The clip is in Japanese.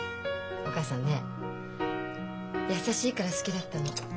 お母さんね優しいから好きだったの。